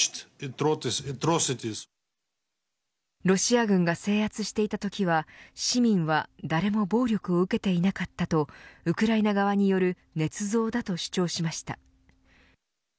ロシア軍が制圧していたときは市民は誰も暴力を受けていなかったとウクライナ側による捏造だと主張しました。